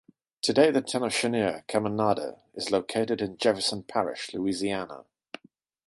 Today the town of Cheniere Caminada is located in Jefferson Parish, Louisiana.